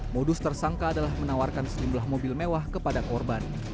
modus tersangka adalah menawarkan sejumlah mobil mewah kepada korban